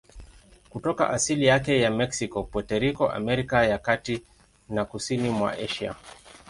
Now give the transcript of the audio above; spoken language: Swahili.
Kutoka asili yake ya Meksiko, Puerto Rico, Amerika ya Kati na kusini mwa Asia.